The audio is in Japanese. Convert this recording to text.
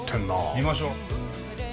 見ましょ。